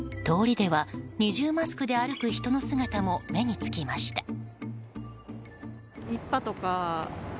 通りでは二重マスクで歩く人の姿も目につきました。